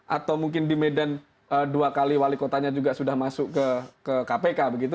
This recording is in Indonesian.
atau mungkin di medan dua kali wali kotanya juga sudah masuk ke kpk begitu